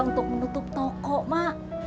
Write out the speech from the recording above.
untuk menutup toko emak